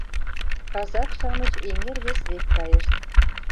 Казак-шамыч эҥер вес век кайышт.